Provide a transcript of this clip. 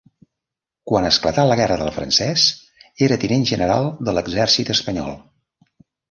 Quan esclatà la guerra del francès era tinent general de l'Exèrcit espanyol.